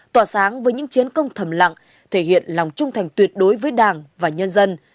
tỏa sáng với những chiến công thầm lặng thể hiện lòng trung thành tuyệt đối với đảng và nhân dân